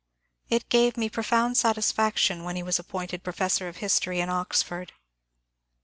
It gave me profound satisfaction when he was appointed professor of history in Oxford.